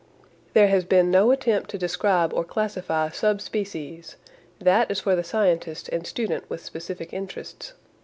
There has been no attempt to describe or classify sub species. That is for the scientist and student with specific interests.